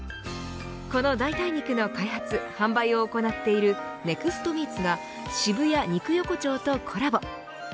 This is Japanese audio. この代替肉の開発販売を行っているネクストミーツが渋谷肉横丁とコラボ。